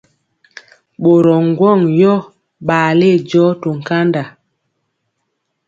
Ɓorɔ ŋgwɔŋ yɔ ɓale jɔɔ to nkanda.